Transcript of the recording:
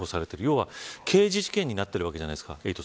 要は、刑事事件になってるわけじゃないですか。